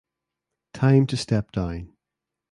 Time to step down.